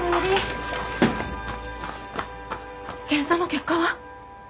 検査の結果は？